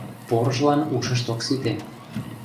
Порыжлан ушышт ок сите.